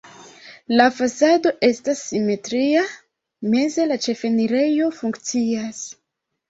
La fasado estas simetria, meze la ĉefenirejo funkcias.